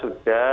terus kita mulai